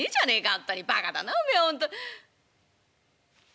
本当にバカだなおめえは本当。